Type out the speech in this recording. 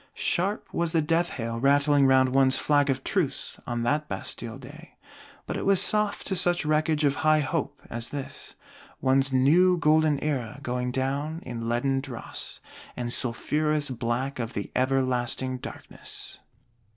Sharp was the death hail rattling round one's Flag of truce, on that Bastille day: but it was soft to such wreckage of high Hope as this; one's New Golden Era going down in leaden dross, and sulphurous black of the Everlasting Darkness!